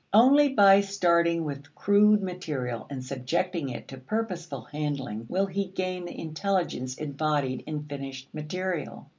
Only by starting with crude material and subjecting it to purposeful handling will he gain the intelligence embodied in finished material.